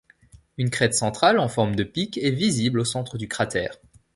Une crête centrale en forme de pic est visible au centre du cratère.